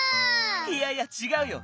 いやいやちがうよ。